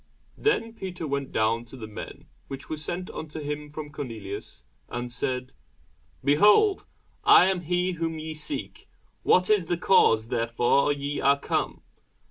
Then Peter went down to the men which were sent unto him from Cornelius; and said, Behold, I am he whom ye seek: what is the cause wherefore ye are come?